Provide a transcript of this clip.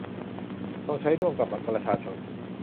ต้องใช้ร่วมกับบัตรประชาชน